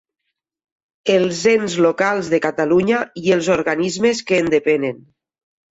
Els ens locals de Catalunya i els organismes que en depenen.